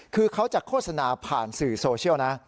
คือเขาจะโฆษณาผ่านสื่อโซเชียลนะ